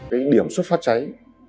cái điểm xuất phát cháy